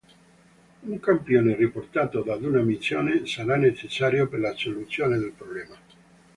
Un campione riportato da una missione sarà necessario per la soluzione del problema.